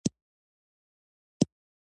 ایا زما خوراک به ښه شي؟